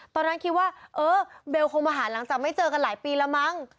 ตอนนั้นคิดว่าเออเบลคงมาหาหลังจากไม่เจอกันหลายปีแล้วมั้ง